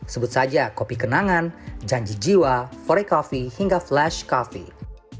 sebut saja kopi kenangan janji jiwa fore coffee hingga flash coffee